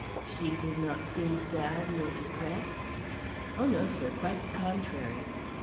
"She did not seem sad nor depressed?" "Oh, no, sir; quite the contrary."